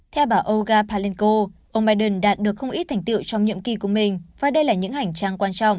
theo bà oga palenko ông biden đạt được không ít thành tiệu trong nhiệm kỳ của mình và đây là những hành trang quan trọng